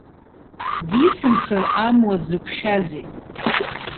Дицымцар амуа дзықәшәазеи?